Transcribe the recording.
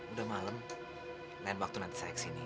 udah malam lain waktu nanti saya kesini